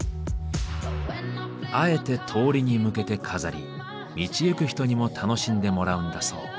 あえて通りに向けて飾り道行く人にも楽しんでもらうんだそう。